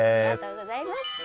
ありがとうございます。